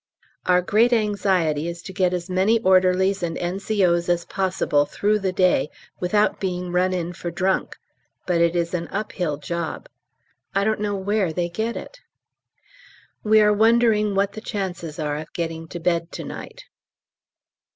Our great anxiety is to get as many orderlies and N.C.O.'s as possible through the day without being run in for drunk, but it is an uphill job; I don't know where they get it. We are wondering what the chances are of getting to bed to night.